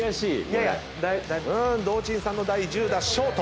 堂珍さんの第１０打ショート。